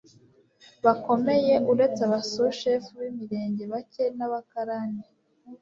bakomeye uretse abasushefu b imirenge bake n abakarani